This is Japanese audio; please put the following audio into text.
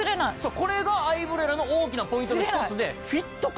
これがアイブレラの大きなポイントの一つで。